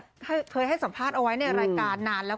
เคยให้สัมภาษณ์เอาไว้ในรายการนานแล้ว